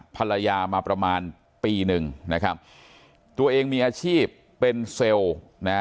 ภรรยามาประมาณปีหนึ่งนะครับตัวเองมีอาชีพเป็นเซลล์นะ